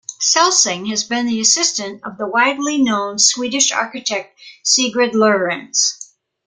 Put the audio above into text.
Celsing has been the assistant of the widely known Swedish architect Sigurd Lewerentz.